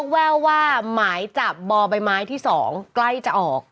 แววว่าหมายจับบ่อใบไม้ที่๒ใกล้จะออก